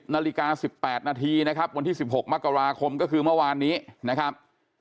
นาฬิกา๑๘นาทีนะครับวันที่๑๖มกราคมก็คือเมื่อวานนี้นะครับ